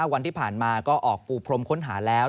วันที่ผ่านมาก็ออกปูพรมค้นหาแล้ว